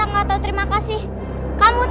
jangan lupa untuk berikan duit